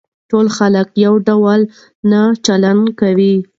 ټول خلک يو ډول نه چلن کوي.